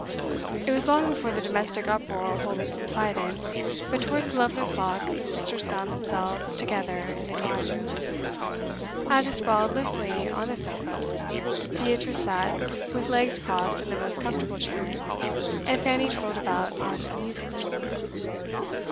It was long before the domestic uproar wholly subsided, but towards eleven o'clock the sisters found themselves together in the drawing room. Ada sprawled limply on a sofa; Beatrice sat with legs crossed in the most comfortable chair; and Fanny twirled about on a music stool.